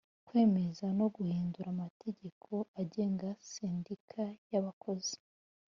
kwemeza no guhindura amategeko agenga sendika yabakozi